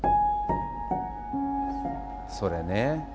それね。